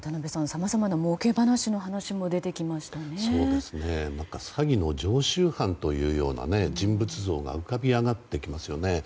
さまざまなもうけ話の話もまた詐欺の常習犯という人物像が浮かび上がってきますよね。